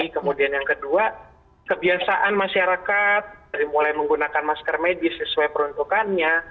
kemudian yang kedua kebiasaan masyarakat dari mulai menggunakan masker medis sesuai peruntukannya